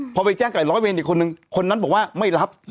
พอไปแจ้งกับร้อยเวรอีกคนนึงคนนั้นบอกว่าไม่รับ